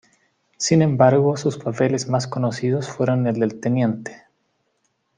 Sin embargo, sus papeles más conocidos fueron el del Tte.